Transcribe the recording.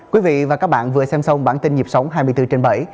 quý vị và các bạn vừa xem xong bản tin dịp sống hai mươi bốn trên facebook